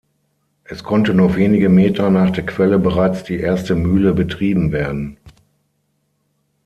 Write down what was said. Es konnte nur wenige Meter nach der Quelle bereits die erste Mühle betrieben werden.